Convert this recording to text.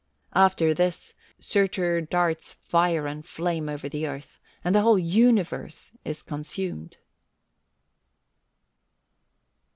"After this, Surtur darts fire and flame over the earth, and the whole universe is consumed."